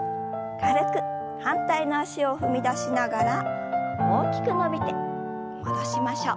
反対の脚を踏み出しながら大きく伸びて戻しましょう。